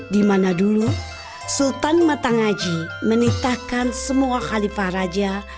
dimana dulu sultan matangaji menitikan semua khalifah raja